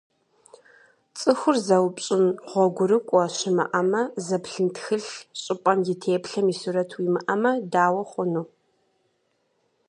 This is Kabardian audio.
ЦӀыхур зэупщӀын гъуэгурыкӀуэ щымыӀэмэ, зэплъын тхылъ, щӀыпӀэм и теплъэм и сурэт уимыӀэмэ, дауэ хъуну?